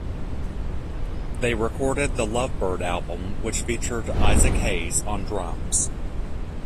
They recorded the "Love Byrd" album, which featured Isaac Hayes on drums.